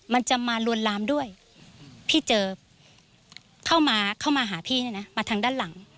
มันจะมาลวนลามด้วยพี่เจอเข้ามาหาพี่นะมาทางด้านหลัง